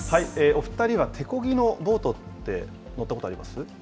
お２人は手こぎのボートって乗ったことあります？